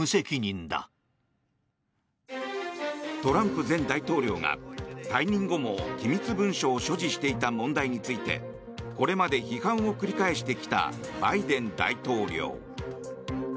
トランプ前大統領が退任後も機密文書を所持していた問題についてこれまで批判を繰り返してきたバイデン大統領。